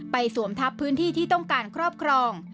สวมทับพื้นที่ที่ต้องการครอบครอง